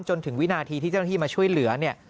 จนถึงวินาทีที่เจ้าหน้าที่มาช่วยเหลือเนี่ย